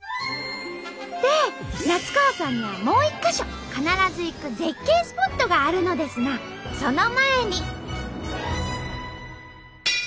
で夏川さんにはもう１か所必ず行く絶景スポットがあるのですがその前に。